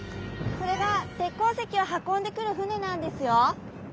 これが鉄鉱石を運んでくる船なんですよ。